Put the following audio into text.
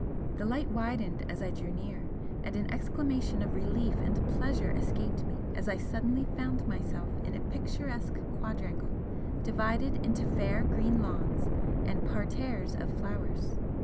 The light widened as I drew near, and an exclamation of relief and pleasure escaped me as I suddenly found myself in a picturesque quadrangle, divided into fair green lawns and parterres of flowers.